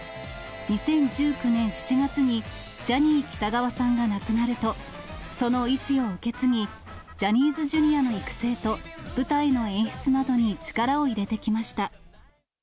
２０１９年７月にジャニー喜多川さんが亡くなると、その遺志を受け継ぎ、ジャニーズＪｒ．の育成と、舞台の演出などに力を入れてきました。